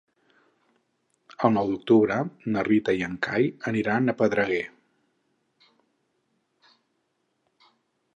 El nou d'octubre na Rita i en Cai aniran a Pedreguer.